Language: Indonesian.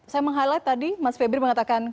saya meng highlight tadi mas febri mengatakan